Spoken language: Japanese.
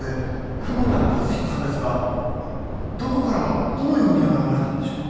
窪田一彦さんですがどこからどのように現れたんでしょうか？